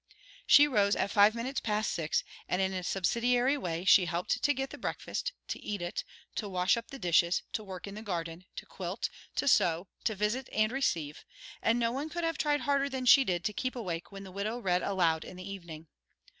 She rose at five minutes past six, and in a subsidiary way she helped to get the breakfast, to eat it, to wash up the dishes, to work in the garden, to quilt, to sew, to visit and receive, and no one could have tried harder than she did to keep awake when the widow read aloud in the evening.